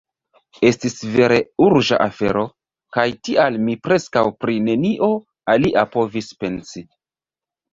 Estis vere urĝa afero, kaj tial mi preskaŭ pri nenio alia povis pensi.